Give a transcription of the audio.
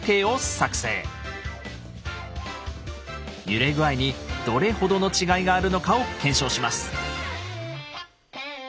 揺れ具合にどれほどの違いがあるのかを検証します。